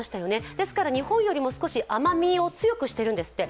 ですから日本より少し甘みを強くしているんですって。